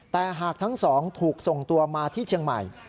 แต่หากทั้งสองถูกส่งตัวมาที่เชียงใหม่